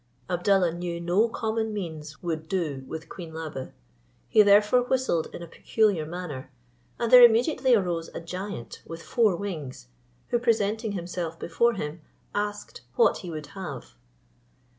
Abdallah knew no common means would do with Queen Labe: he therefore whistled in a peculiar manner, and there immediately arose a giant, with four wings, who presenting himself before him, asked what he would have?"